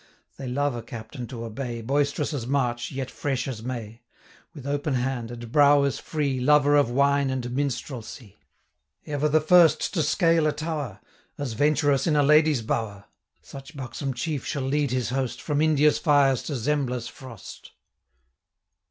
They love a captain to obey, Boisterous as March, yet fresh as May; With open hand, and brow as free, Lover of wine and minstrelsy; 75 Ever the first to scale a tower, As venturous in a lady's bower: Such buxom chief shall lead his host From India's fires to Zembla's frost.